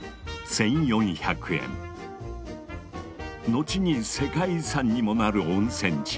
なんと後に世界遺産にもなる温泉地